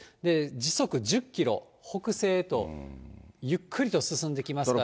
時速１０キロ、北西へとゆっくりと進んできますから。